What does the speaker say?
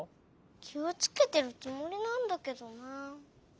きをつけてるつもりなんだけどなあ。